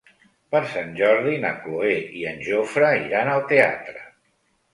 Per Sant Jordi na Cloè i en Jofre iran al teatre.